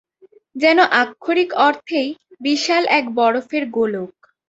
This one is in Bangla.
যেন আক্ষরিক অর্থেই বিশাল এক বরফের গোলক।